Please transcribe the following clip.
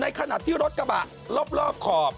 ขณะที่รถกระบะรอบขอบ